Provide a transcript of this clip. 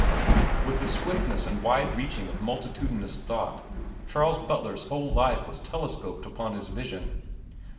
With the swiftness and wide reaching of multitudinous thought Charles Butler's whole life was telescoped upon his vision.